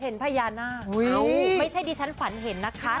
ไม่ใช่ดิฉันฝันเห็นนะคะ